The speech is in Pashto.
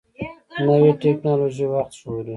نوې ټکنالوژي وخت ژغوري